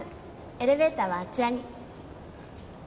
エレベーターはあちらに。